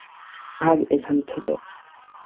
ভাগ এখান থেকে!